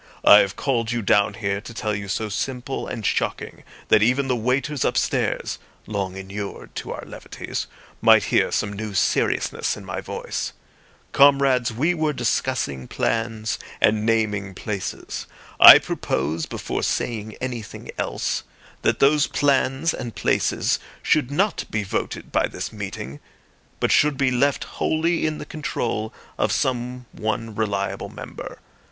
I have called you down here to tell you something so simple and shocking that even the waiters upstairs (long inured to our levities) might hear some new seriousness in my voice. Comrades, we were discussing plans and naming places. I propose, before saying anything else, that those plans and places should not be voted by this meeting, but should be left wholly in the control of some one reliable member.